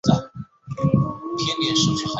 吴府千岁还有配偶神吴府千岁夫人。